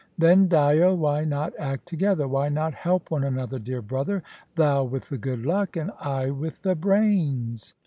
Then, Dyo, why not act together? Why not help one another, dear brother; thou with the good luck, and I with the brains?"